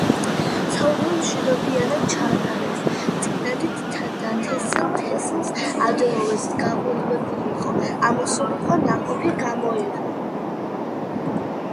საუზმე მშვიდობიანად ჩაატარეს. წინადით დათესილ თესლს ადროვეს გაღვივებულიყო, ამოსულიყო, ნაყოფი გამოეღო.